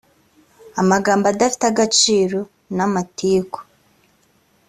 amagambo adafite agaciro na amatiku